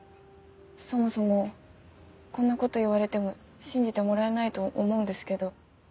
そもそもこんなこと言われても信じてもらえないと思うんですけど。